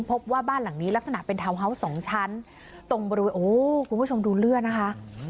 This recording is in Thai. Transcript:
พบว่าบ้านหลังนี้ลักษณะเป็นทาวน์ฮาวส์สองชั้นตรงบริเวณโอ้คุณผู้ชมดูเลือดนะคะ